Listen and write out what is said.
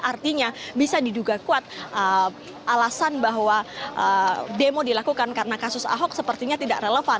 artinya bisa diduga kuat alasan bahwa demo dilakukan karena kasus ahok sepertinya tidak relevan